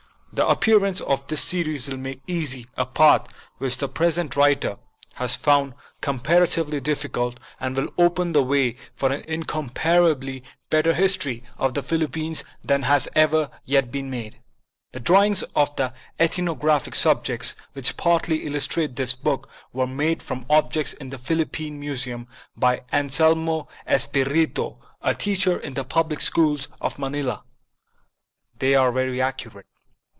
The appearance of this series will make easy a path which the present writer (1) 2 PREFACE has found comparatively difficult, and will open the way for an incomparably better history of the Philippines than has ever yet been made. The drawings of ethnographic subjects, which partly illustrate this book, were made from objects in the Philip pine Museum by Mr. Anselmo Espiritu, a teacher in the public schools of Manila. They are very accurate.